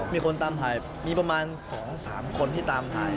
มีคนตามถ่ายมีประมาณ๒๓คนที่ตามถ่าย